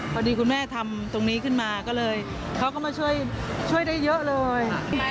พอดีคุณแม่ทำตรงนี้ขึ้นมาก็เลยเขาก็มาช่วยได้เยอะเลย